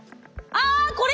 あこれ？